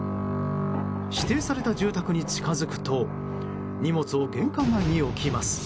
指定された住宅に近づくと荷物を玄関前に置きます。